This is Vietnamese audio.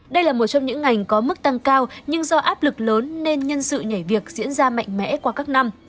đây là một trong những ngành có mức tăng cao nhưng do áp lực lớn nên nhân sự nhảy việc diễn ra mạnh mẽ qua các năm